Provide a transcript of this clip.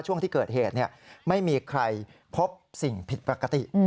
ช่วงที่เกิดเหตุไม่มีใครพบสิ่งผิดปกติ